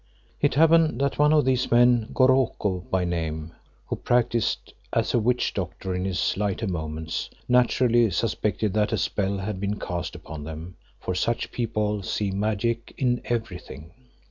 It happened that one of these men, Goroko by name, who practised as a witch doctor in his lighter moments, naturally suspected that a spell had been cast upon them, for such people see magic in everything.